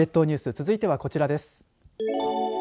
では列島ニュース続いてはこちらです。